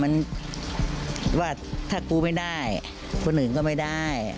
มันว่าถ้ากูไม่ได้คนอื่นก็ไม่ได้